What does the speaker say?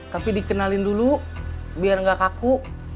tapi dikenalin dulu biar nggak kaku